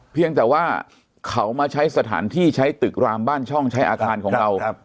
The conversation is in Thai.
เพียงแต่ว่าเขามาใช้สถานที่ใช้ตึกรามบ้านช่องใช้อาคารของเรา